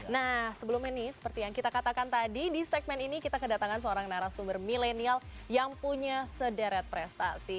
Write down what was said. nah sebelum ini seperti yang kita katakan tadi di segmen ini kita kedatangan seorang narasumber milenial yang punya sederet prestasi